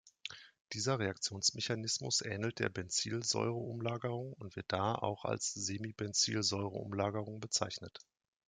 Dieser Reaktionsmechanismus ähnelt der Benzilsäure-Umlagerung und wird daher auch als „Semibenzilsäure-Umlagerung“ bezeichnet.